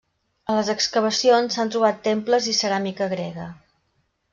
A les excavacions s'han trobat temples i ceràmica grega.